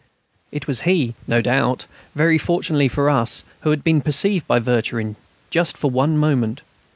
It was he, no doubt, very fortunately for us, who had been perceived by Vercherin just for one moment.